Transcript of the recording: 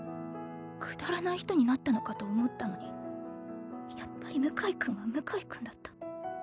くだらない人になったのかと思ったのにやっぱり向井君は向井君だった。